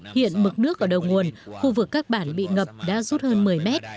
hiện mực nước ở đầu nguồn khu vực các bản bị ngập đã rút hơn một mươi mét